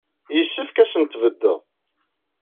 Yessefk ad asen-tbedded.